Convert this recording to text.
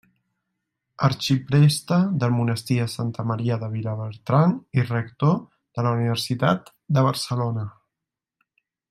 Arxipreste del Monestir de Santa Maria de Vilabertran i rector de la Universitat de Barcelona.